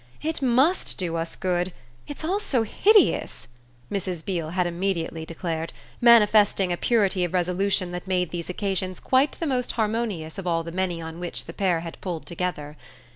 "It MUST do us good it's all so hideous," Mrs. Beale had immediately declared; manifesting a purity of resolution that made these occasions quite the most harmonious of all the many on which the pair had pulled together.